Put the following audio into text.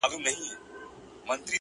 چي نه عادت نه ضرورت وو. مينا څه ډول وه.